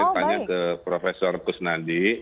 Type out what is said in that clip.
saya tanya ke profesor kusnadi